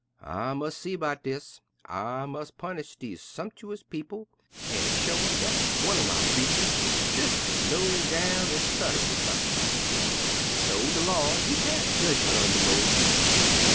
I mus' see 'bout dis; I mus' punish dese 'sumptious people an' show 'em dat one'r my creeturs is jez' ez low down ez tu'rr, in my sight.' "So de Lawd He pass jedgment on de moleses.